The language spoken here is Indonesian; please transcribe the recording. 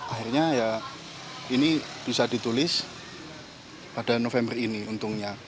akhirnya ya ini bisa ditulis pada november ini untungnya